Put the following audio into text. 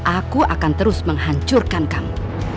aku akan terus menghancurkan kamu